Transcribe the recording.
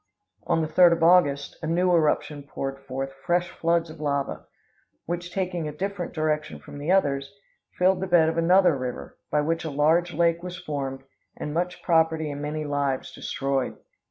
"On the 3rd of August, a new eruption poured forth fresh floods of lava, which, taking a different direction from the others, filled the bed of another river, by which a large lake was formed, and much property and many lives destroyed.